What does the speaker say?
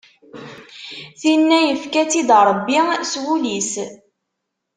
Tinna yefka-tt-id Rebbi s wul-is.